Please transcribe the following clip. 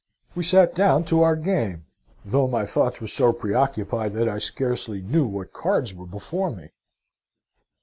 We sate down to our game, though my thoughts were so preoccupied that I scarcely knew what cards were before me.